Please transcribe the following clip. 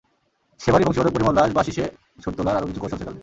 সেবারই বংশীবাদক পরিমল দাস বাঁশিশে সুর তোলার আরও কিছু কৌশল শেখালেন।